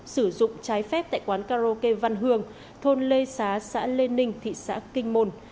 sử dụng trái phép tại quán karaoke văn hương thôn lê xá xã lê ninh thị xã kinh môn